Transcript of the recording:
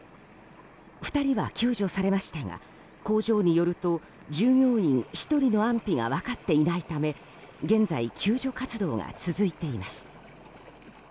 ２人は救助されましたが工場によると従業員１人の安否が分かっていないため現在、救助活動が続いています。